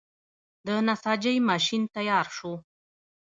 د نساجۍ ماشین تیار شو.